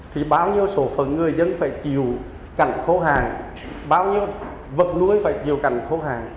thì bao nhiêu số phần người dân phải chịu cảnh khổ hàng bao nhiêu vật núi phải chịu cảnh khổ hàng